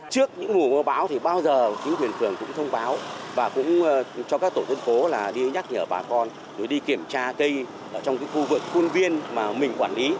trước những mùa bão bao giờ thuyền phường cũng thông báo và cho các tổ thân phố nhắc nhở bà con để đi kiểm tra cây trong khu vực khuôn viên mà mình quản lý